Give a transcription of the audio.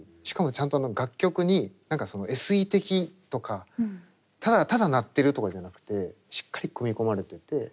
しかもちゃんと楽曲に何かそのＳＥ的とかただ鳴ってるとかじゃなくてしっかり組み込まれてて。